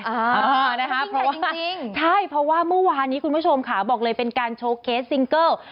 อ่านะคะเพราะว่าใช่เพราะว่าเมื่อวานนี้คุณผู้ชมค่ะบอกเลยเป็นการโชว์เคสซิงเกิล